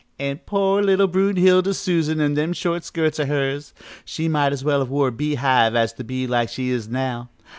An' oh, poor little Brunhilde Susan in them short skirts of hers she might as well have wore a bee hive as to be like she is now.